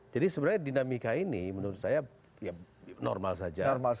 jadi sebenarnya dinamika ini menurut saya normal saja